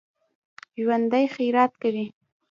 ژوندي خیرات کوي